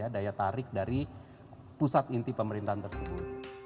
daya tarik dari pusat inti pemerintahan tersebut